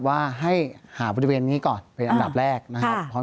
ว่าให้หาบริเวณนี้ก่อนเป็นอันดับแรกนะครับ